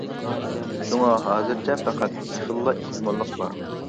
شۇڭا ھازىرچە پەقەت ئىككى خىللا ئېھتىماللىق بار.